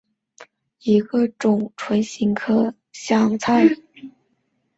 歧伞香茶菜为唇形科香茶菜属下的一个种。